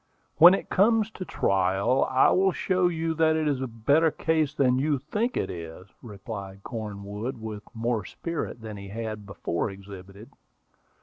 "When it comes to trial, I will show you that it is a better case than you think it is," replied Cornwood, with more spirit than he had before exhibited.